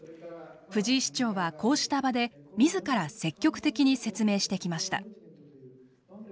藤井市長はこうした場で自ら積極的に説明してきました。